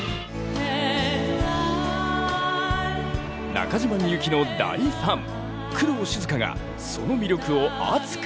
中島みゆきの大ファン工藤静香がその魅力を熱く語る！